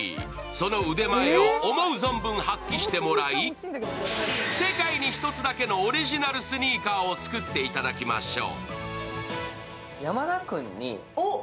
その腕前を思う存分発揮してもらい、世界に一つだけのオリジナルスニーカーを作っていただきましょう。